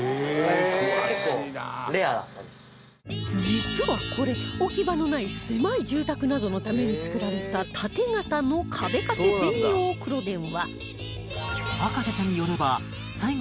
実はこれ置き場のない狭い住宅などのために作られた縦型の壁掛け専用黒電話